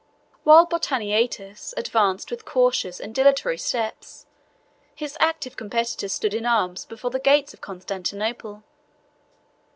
While Botaniates advanced with cautious and dilatory steps, his active competitor stood in arms before the gates of Constantinople.